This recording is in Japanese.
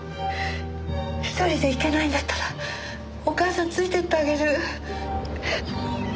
一人で行けないんだったらお母さんついてってあげる。